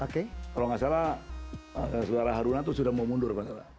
kalau tidak salah suara haruna itu sudah mau mundur